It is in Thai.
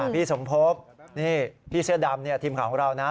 พี่สมภพนี่พี่เสื้อดำทีมข่าวของเรานะ